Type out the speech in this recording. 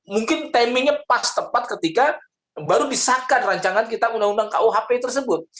mungkin timingnya pas tepat ketika baru disahkan rancangan kita undang undang kuhp tersebut